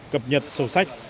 cập nhật sổ sách